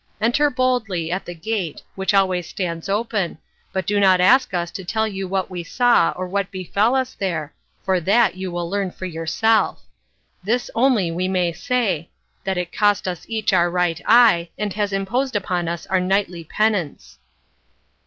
Enter boldly at the gate, which always stands open, but do not ask us to tell you what we saw or what befel us there, for that you will learn for yourself. This only we may say, that it cost us each our right eye, and has imposed upon us our nightly penance."